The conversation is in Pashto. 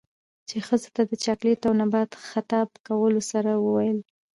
،چـې ښـځـو تـه د چـاکـليـت او نـبات خـطاب کـولـو سـره وويل.